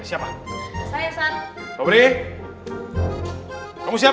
siapa saya san wabri kamu siap